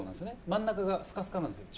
真ん中がスカスカなんですよ。